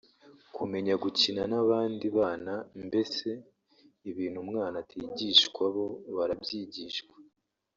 kumenya gukina n’abandi bana mbese ibintu umwana atigishwa bo barabyigishwa